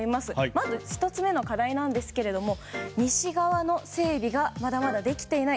まず１つ目の課題ですが西側の整備がまだまだできていない。